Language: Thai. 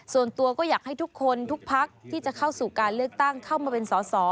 ส่วนตัวก็อยากให้ทุกคนทุกพักที่จะเข้าสู่การเลือกตั้งเข้ามาเป็นสอสอ